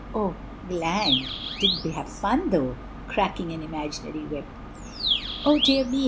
Oh, g'lang! didn't we have fun, though!" cracking an imaginary whip. "Oh, dear me!"